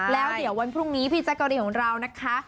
แล้วเดี๋ยววันพรุ่งนี้พี่แจกรแล่อยุ่งเรานะคะ